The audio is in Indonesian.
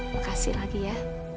makasih lagi ya